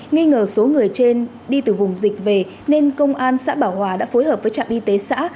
nghi ngờ số người trên đi từ vùng dịch về nên công an xã bảo hòa đã phối hợp với trạm y tế xã